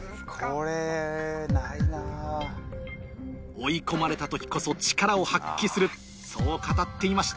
追い込まれた時こそ力を発揮するそう語っていました